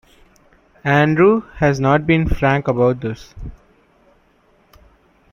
Andrew has not been frank about this.